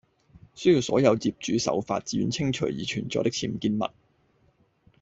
需要所有業主守法，自願清除已存在的僭建物